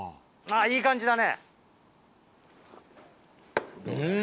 いい感じだね。